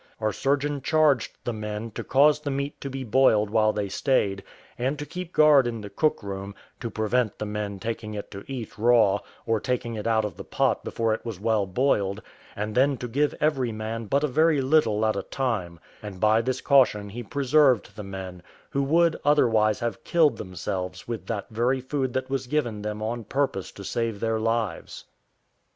Our surgeon charged the men to cause the meat to be boiled while they stayed, and to keep guard in the cook room, to prevent the men taking it to eat raw, or taking it out of the pot before it was well boiled, and then to give every man but a very little at a time: and by this caution he preserved the men, who would otherwise have killed themselves with that very food that was given them on purpose to save their lives.